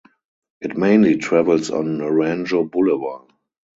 It mainly travels on Naranjo boulevard.